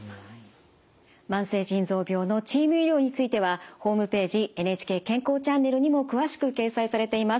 慢性腎臓病のチーム医療についてはホームページ「ＮＨＫ健康チャンネル」にも詳しく掲載されています。